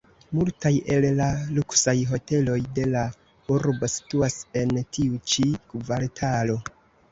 Multaj el la luksaj hoteloj de la urbo situas en tiu ĉi kvartalo.